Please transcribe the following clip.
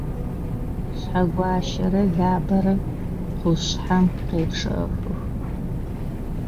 Шъхьэгуащэрэ Лабэрэ къушъхьэм къечъэхых.